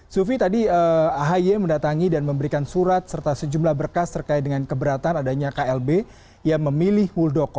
sufi tadi ahi mendatangi dan memberikan surat serta sejumlah berkas terkait dengan keberatan adanya klb yang memilih muldoko